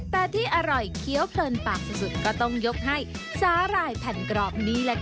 แต่ที่อร่อยเคี้ยวเพลินปากสุดก็ต้องยกให้สาหร่ายแผ่นกรอบนี้แหละค่ะ